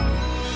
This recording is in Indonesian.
terima kasih pak